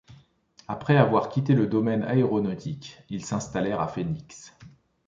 Après avoir quitté le domaine aéronautique, ils s'installèrent à Phoenix.